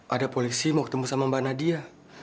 ada polisi mau ketemu sama mbak nadia